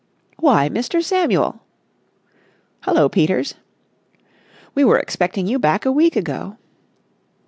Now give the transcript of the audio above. "Why, Mr. Samuel!" "Hullo, Peters!" "We were expecting you back a week ago."